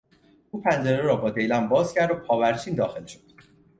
او پنجره را با دیلم باز کرد و پاورچین داخل شد.